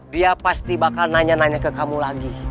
dia pasti bakal nanya nanya ke kamu lagi